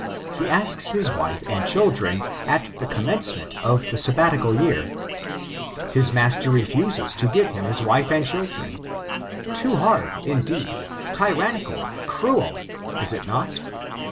He asks his wife and children at the commence , ment of the Sabbatical year. His master refuses to give him hb wife and children. Too hard, indeed — tyrannical, cruel I Is it not?